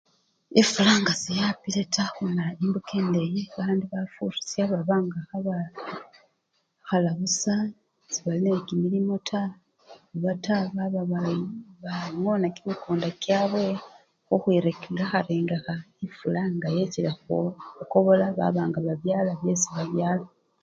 Efula nga seyapile taa khumala embuka endeyi bandu bafurisya baba nga khabekhala busa sebali nekimilimo taa obata baba nga bangona kimikunda kyabwe khukhu khwirengekha rengekha efula nga yechile khukobola baba nga babyala byesi babyala.